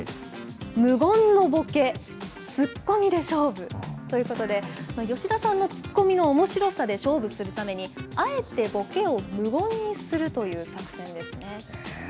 無言のボケ、ツッコミで勝負ということで、吉田さんのツッコミのおもしろさで勝負するために、あえてボケを無言にするという作戦ですね。